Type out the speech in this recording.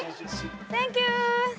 サンキュー。